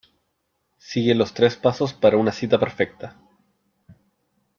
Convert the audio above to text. sigue los tres pasos para una cita perfecta .